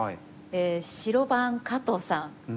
白番加藤さん。